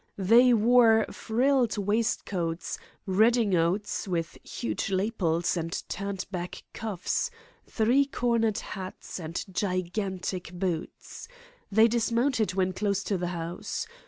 They wore frilled waistcoats, redingotes with huge lapels and turned back cuffs, three cornered hats, and gigantic boots. They dismounted when close to the house.